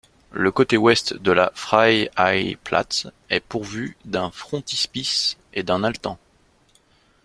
Le côté ouest de la Freiheitsplatz est pourvu d'un frontispice et d'un altan.